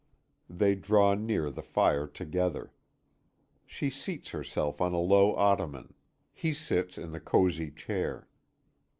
They draw near the fire together. She seats herself on a low ottoman; he sits in the cozy chair.